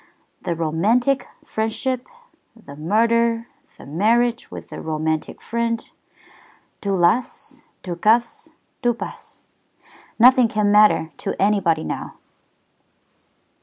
"The romantic friendship, the murder, the marriage with the romantic friend. Tout lasse, tout casse, tout passe. Nothing can matter to anybody now."